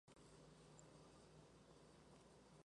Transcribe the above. Fue la última de las supervivientes Chicas Ziegfeld.